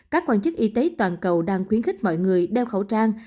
các quan chức y tế toàn cầu đang khuyến khích mọi người đeo khẩu trang